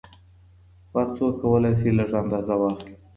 خو هر څوک کولای شي لږ اندازه واخلي.